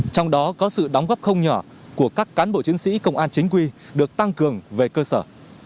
trong đó có sự đóng góp không nhỏ của các cán bộ chiến sĩ công an chính quy được tăng cường về cơ sở